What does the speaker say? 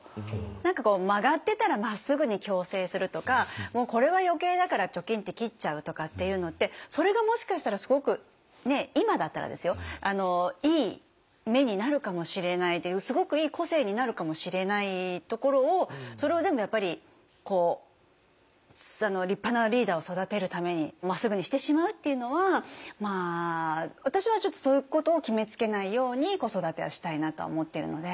何かこう曲がってたらまっすぐに矯正するとかもうこれは余計だからチョキンって切っちゃうとかっていうのってそれがもしかしたらすごく今だったらですよいい芽になるかもしれないすごくいい個性になるかもしれないところをそれを全部立派なリーダーを育てるためにまっすぐにしてしまうっていうのは私はちょっとそういうことを決めつけないように子育てはしたいなと思っているので。